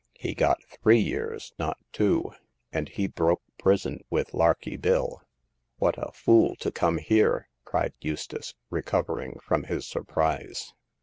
He got three years, not two ; and he broke prison with Larky Bill." What a fool to come here !" cried Eustace, recovering from his surprise.